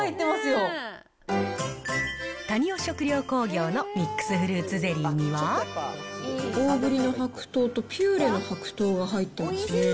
谷尾食糧工業のミックスフルーツゼリーには、大ぶりの白桃と、ピューレの白桃が入ってますね。